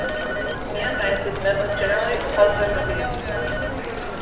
"Neon Nights" was met with generally positive reviews.